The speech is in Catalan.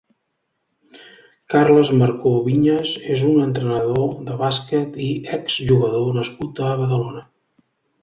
Carles Marco Viñas és un entrenador de bàsquet i ex-jugador nascut a Badalona.